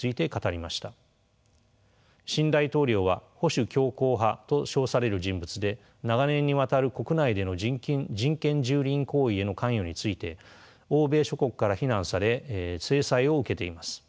新大統領は保守強硬派と称される人物で長年にわたる国内での人権蹂躙行為への関与について欧米諸国から非難され制裁を受けています。